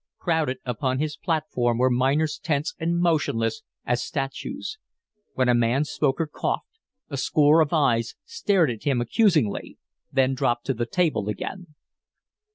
Crowded upon his platform were miners tense and motionless as statues. When a man spoke or coughed, a score of eyes stared at him accusingly, then dropped to the table again.